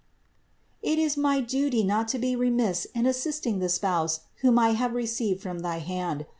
It is my duty not to be remiss in assisting the spouse whom I have received from thy hand.